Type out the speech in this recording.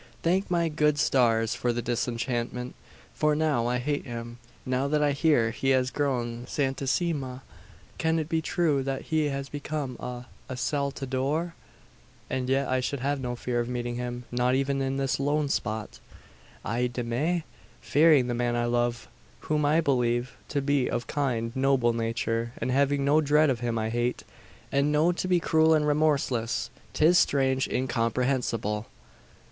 Thank my good stars, for the disenchantment; for now I hate him, now that I hear he has grown Santissima! can it be true that he has become a a salteador? "And yet I should have no fear of meeting him not even in this lone spot! "Ay de mi! Fearing the man I love, whom I believe to be of kind, noble nature and having no dread of him I hate, and know to be cruel and remorseless! 'Tis strange incomprehensible!